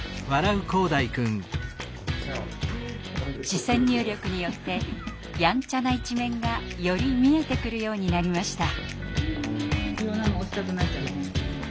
視線入力によってやんちゃな一面がより見えてくるようになりました。